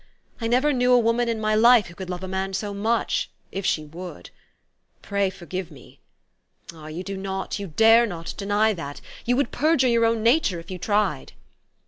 I never knew a woman in my life who could love a man so much if she would. Pray forgive me ! Ah, you do not you dare not THE STORY OF AVIS. 129 deny that. You would perjure your own nature if you tried."